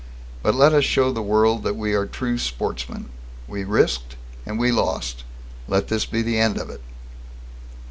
But let us show the world that we are true sportsmen. We risked, and we lost. Let this be the end of it."